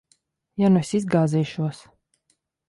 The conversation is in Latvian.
Ja nu es izgāzīšos?